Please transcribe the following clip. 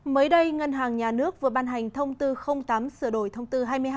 mới đây ngân hàng nhà nước vừa ban hành thông tư tám sửa đổi thông tư hai mươi hai